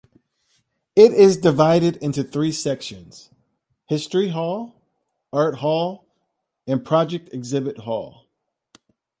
It is divided into three sections: History Hall, Art Hall, and Project Exhibit Hall.